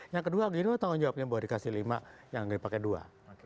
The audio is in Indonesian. yang kedua gini tanggung jawabnya bahwa dikasih lima yang nggak dipakai dua